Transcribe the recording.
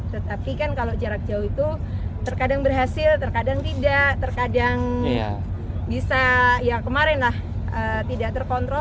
tetapi kan kalau jarak jauh itu terkadang berhasil terkadang tidak terkadang bisa ya kemarin lah tidak terkontrol